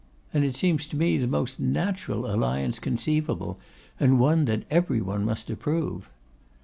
And it seems to me the most natural alliance conceivable, and one that every one must approve.